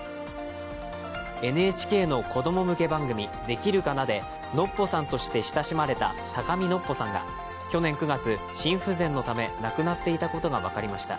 ＮＨＫの子供向け番組「できるかな」でノッポさんとして親しまれた高見のっぽさんが去年９月、心不全のため亡くなっていたことが分かりました。